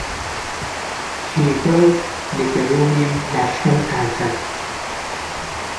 He wrote the Peruvian national anthem.